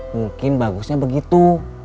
mungkin bagusnya begitu